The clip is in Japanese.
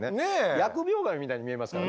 疫病神みたいに見えますからねこれね。